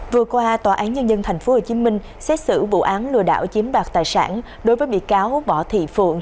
vừa qua tòa án nhân dân tp hcm xét xử vụ án lừa đảo chiếm đoạt tài sản đối với bị cáo võ thị phượng